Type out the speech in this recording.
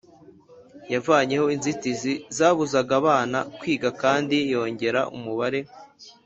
Yavanyeho inzitizi zabuzaga abana kwiga kandi yongera umubare